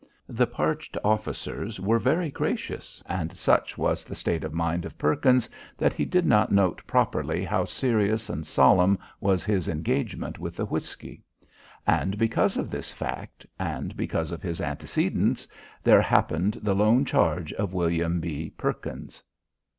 The parched officers were very gracious, and such was the state of mind of Perkins that he did not note properly how serious and solemn was his engagement with the whisky. And because of this fact, and because of his antecedents, there happened the lone charge of William B. Perkins.